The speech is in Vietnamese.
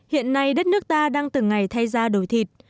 hiện nay đất nước ta đang từng ngày thay ra đổi thịt